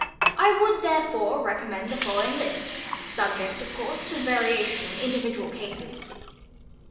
I would, therefore, recommend the following list, subject, of course, to variation in individual cases.